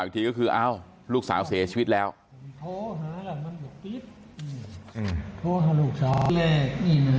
ถอเขาสาวนายมาติด